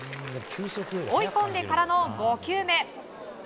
追い込んでからの５球目。